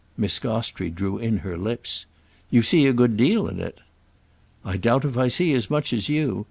Miss Gostrey drew in her lips. "You see a good deal in it!" "I doubt if I see as much as you.